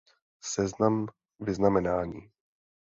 Seznam vyznamenání.